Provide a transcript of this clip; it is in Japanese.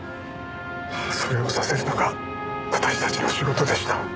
それをさせるのが私たちの仕事でした。